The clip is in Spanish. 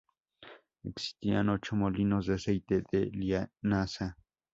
Existían ocho molinos de aceite de linaza.